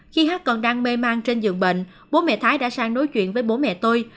khi hát còn đang mê mang trên dường bệnh bố mẹ thái đã sang nói chuyện với bố mẹ tôi